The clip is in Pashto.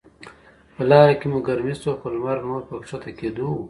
په لاره کې مو ګرمي شوه، خو لمر نور په کښته کیدو و.